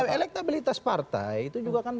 elektabilitas partai itu juga kan